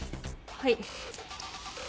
はい。